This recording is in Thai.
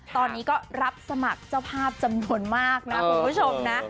ตอนนี้ก็รับสมัครเจ้าภาพจำนวนมากนะคุณผู้ชมนะ